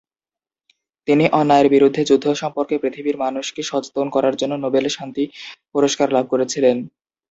তিনি অন্যায়ের বিরুদ্ধে যুদ্ধ সম্পর্কে পৃথিবীর মানুষকে সচেতন করার জন্য নোবেল শান্তি পুরস্কার লাভ করেছিলেন।